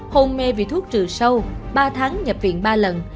hôn mê vì thuốc trừ sâu ba tháng nhập viện ba lần